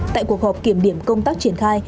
tại cuộc họp kiểm điểm công tác triển khai